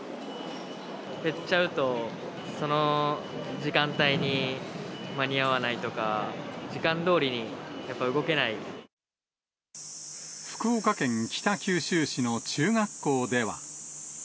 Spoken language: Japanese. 減っちゃうと、その時間帯に間に合わないとか、福岡県北九州市の中学校では。